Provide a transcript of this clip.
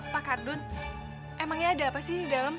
pak kardun emangnya ada apa sih di dalam